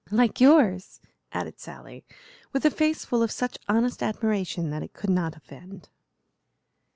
"Like yours," added Sally, with a face full of such honest admiration that it could not offend.